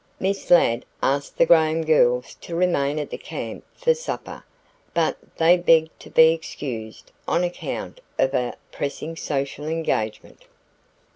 Miss Ladd asked the Graham girls to remain at the camp for supper, but they "begged to be excused on account of a pressing social engagement."